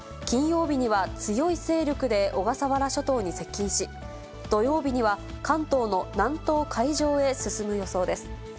金曜日には強い勢力で小笠原諸島に接近し、土曜日には関東の南東海上へ進む予想です。